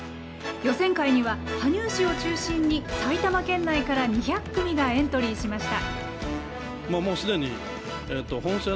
予選会には羽生市を中心に埼玉県内から２００組がエントリーしました。